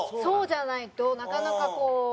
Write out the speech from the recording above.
そうじゃないとなかなかこう。